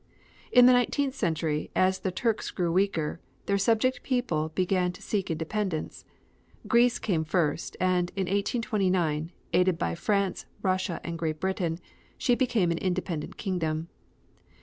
In the nineteenth century, as the Turks grew weaker, their subject people began to seek independence. Greece came first, and, in 1829, aided by France, Russia and Great Britain, she became an independent kingdom.